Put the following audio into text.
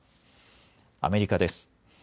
アメリカです。